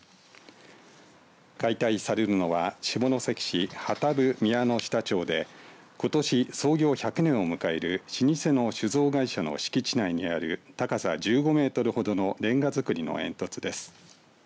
解体されるのは下関市幡生宮の下町でことし創業１００年を迎える老舗の酒造会社の敷地内にある高さ１５メートルほどのレンガ造りの煙突です。